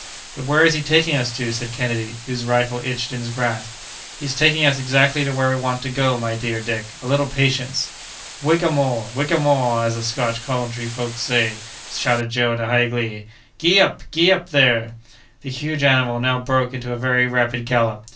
"But where is he taking us to?" said Kennedy, whose rifle itched in his grasp. "He's taking us exactly to where we want to go, my dear Dick. A little patience!" "'Wig a more! wig a more!' as the Scotch country folks say," shouted Joe, in high glee. "Gee up! gee up there!" The huge animal now broke into a very rapid gallop.